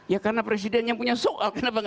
ya karena presiden yang punya soal kenapa